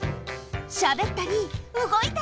しゃべったりうごいたり。